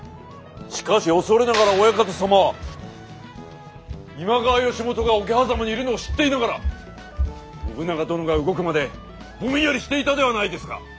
しかし恐れながらオヤカタ様今川義元が桶狭間にいるのを知っていながら信長殿が動くまでぼんやりしていたではないですか。